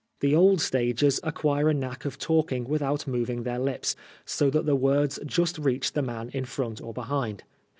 The old stagers acquire a knack of talking without moving their lips, so that the words just reach the man in front or behind.